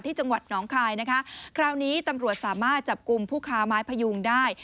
จังหวัดหนองคายนะคะคราวนี้ตำรวจสามารถจับกลุ่มผู้ค้าไม้พยุงได้